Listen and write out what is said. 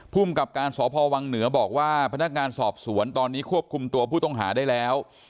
ภูมิกับการสพวังเหนือบอกว่าพนักงานสอบสวนตอนนี้ควบคุมตัวผู้ต้องหาได้แล้ว